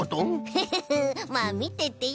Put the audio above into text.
フフフまあみててよ！